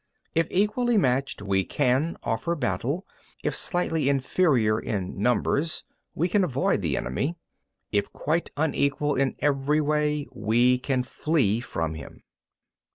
9. If equally matched, we can offer battle; if slightly inferior in numbers, we can avoid the enemy; if quite unequal in every way, we can flee from him.